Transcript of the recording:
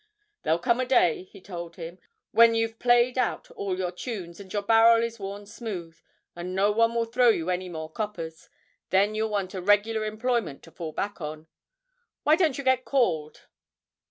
'There'll come a day,' he told him, 'when you've played out all your tunes and your barrel is worn smooth, and no one will throw you any more coppers. Then you'll want a regular employment to fall back upon. Why don't you get called?'